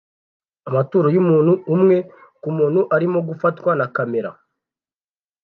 Amaturo yumuntu umwe kumuntu arimo gufatwa na kamera